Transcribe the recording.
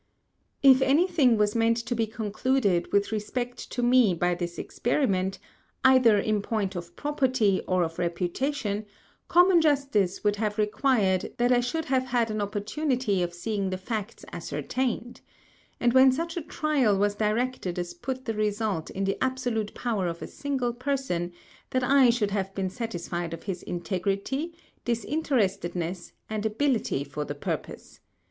If any Thing was meant to be concluded with respect to me by this Experiment, either in Point of Property or of Reputation, common Justice would have required that I should have had an Opportunity of seeing the Facts ascertained; and when such a Trial was directed as put the Result in the absolute Power of a single Person, that I should have been satisfied of his Integrity, Disinterestedness and Ability for the purpose.